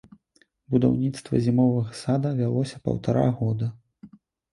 Будаўніцтва зімовага сада вялося паўтара года.